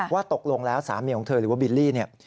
ว่าตกลงแล้วสามีของเธอหรือว่าบิลลี่เนี่ย